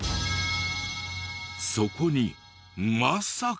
そこにまさか。